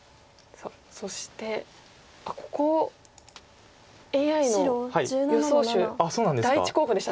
そしてあっここＡＩの予想手第１候補でした。